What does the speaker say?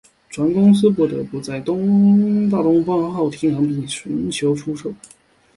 船公司不得不在将大东方号停航并寻求出售。